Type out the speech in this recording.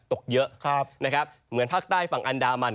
ตกเยอะอย่างแบบภาคใต้ฝั่งอันดามัน